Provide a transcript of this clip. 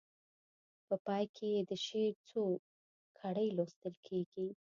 په پای کې یې د شعر څو کړۍ لوستل کیږي.